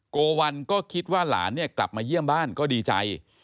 โกวัลก็คิดว่าหลานเนี่ยกลับมาเยี่ยมบ้านก็ดีใจ